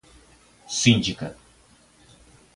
cindida